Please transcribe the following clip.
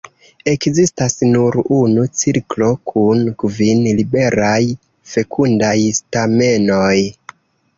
Ekzistas nur unu cirklo kun kvin liberaj, fekundaj stamenoj.